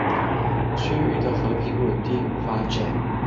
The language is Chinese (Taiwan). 區域的和平穩定與發展